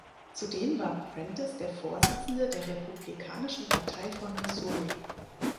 Zudem war Prentiss der Vorsitzende der Republikanischen Partei von Missouri.